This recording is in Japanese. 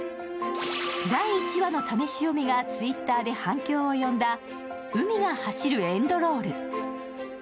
第１話の試し読みがＴｗｉｔｔｅｒで反響を呼んだ「海が走るエンドロール」。